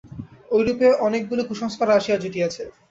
ঐরূপে অনেকগুলি কুসংস্কারও আসিয়া জুটিয়াছে।